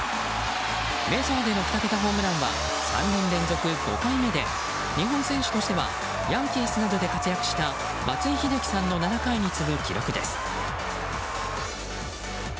メジャーでの２桁ホームランは３年連続５回目で日本選手としてはヤンキースなどで活躍した松井秀喜さんの７回に次ぐ記録です。